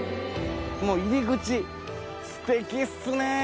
もう入り口すてきっすね！